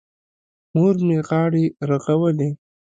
مور مې غاړې رغولې.